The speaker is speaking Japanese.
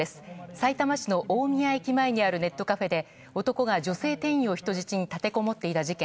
さいたま市の大宮駅前にあるネットカフェで男が女性店員を人質に立てこもっていた事件。